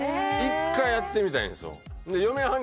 １回やってみたいんですよ